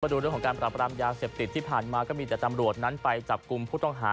ดูเรื่องของการปรับรามยาเสพติดที่ผ่านมาก็มีแต่ตำรวจนั้นไปจับกลุ่มผู้ต้องหา